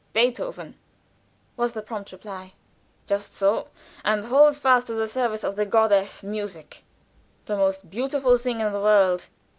"Beethoven," was the prompt reply. "Just so. And hold fast to the service of the goddess Music, the most beautiful thing in the world."